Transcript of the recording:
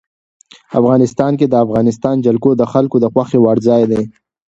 افغانستان کې د افغانستان جلکو د خلکو د خوښې وړ ځای دی.